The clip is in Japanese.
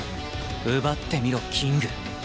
奪ってみろキング